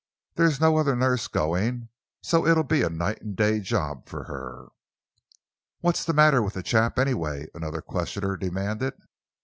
There's no other nurse going, so it'll be a night and day job for her." "What's the matter with the chap, anyway?" another questioner demanded.